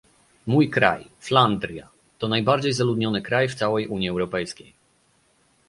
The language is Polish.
Mój kraj, Flandria, to najbardziej zaludniony kraj w całej Unii Europejskiej